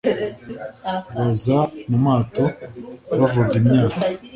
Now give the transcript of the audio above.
Baza mu mato bavuga imyato